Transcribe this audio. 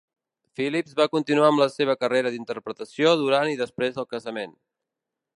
Phillips va continuar amb la seva carrera d'interpretació durant i després del casament.